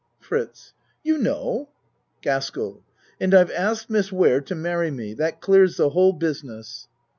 FRITZ You know? GASKELL And I've asked Miss Ware to marry me. That clears the whole business.